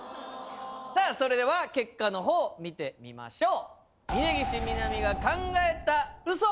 さあそれでは結果の方見てみましょう！